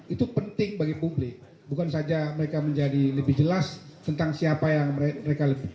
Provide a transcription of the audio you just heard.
itu penting bagi publik bukan saja mereka menjadi lebih jelas tentang siapa yang mereka lebih